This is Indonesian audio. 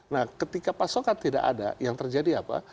nah ketika pasokan tidak ada yang terjadi apa